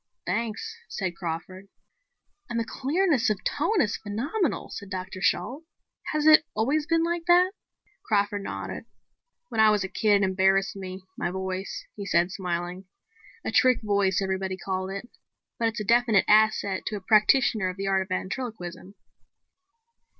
"Thanks," said Crawford. "And the clearness of tone is phenomenal," said Dr. Shalt. "Has it always been like that?" Crawford nodded. "When I was a kid it embarrassed me, my voice," he said, smiling. "A trick voice, everybody called it. But it's a definite asset to a practitioner of the art of ventriloquism."